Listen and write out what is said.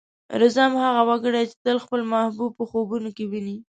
رځام: هغه وګړی چې تل خپل محبوب په خوبونو کې ويني.